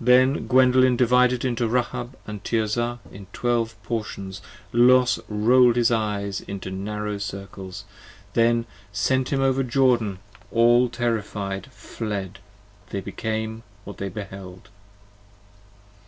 Then Gwendolen divided into Rahab & Tirza in Twelve Portions Los rolled his Eyes into two narrow circles, then sent him Over Jordan; all terrified fled; they became what they beheld.